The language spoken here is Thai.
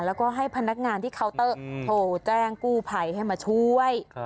แล้วก็ให้พนักงานที่เคาน์เตอร์โทรแจ้งกู้ภัยให้มาช่วย